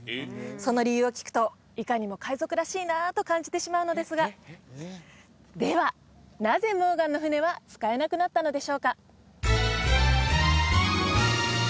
その理由を聞くといかにも海賊らしいなと感じてしまうのですがではなぜモーガンの船は使えなくなったのでしょうか？